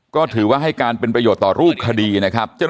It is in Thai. ก็ถือว่าให้การเป็นประโยชน์ต่อรูปคดีนะครับ